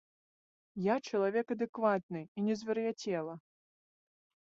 Я чалавек адэкватны і не звар'яцела!